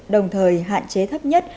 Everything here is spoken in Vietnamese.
đồng thời hạn chế thấp nhất